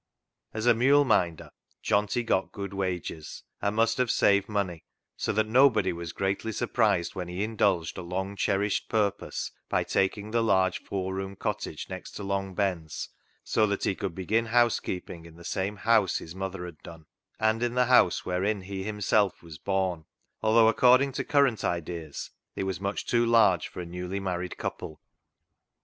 As a mule minder Johnty got good wages, and must have saved money, so that nobody was greatly surprised when he indulged a long cherished purpose by taking the large four roomed cottage next door to Long Ben's, so FOR BETTER, FOR WORSE 165 that he could begin housekeeping in the same house his mother had done, and in the house wherein he himself was born, although accord ing to current ideas it was much too large for a newly married couple.